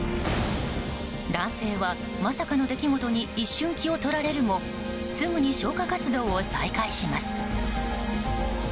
男性は、まさかの出来事に一瞬気を取られるもすぐに消火活動を再開します。